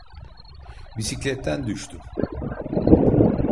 Bisikletten düştüm.